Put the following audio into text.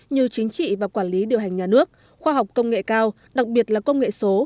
như chính trị và quản lý điều hành nhà nước khoa học công nghệ cao đặc biệt là công nghệ số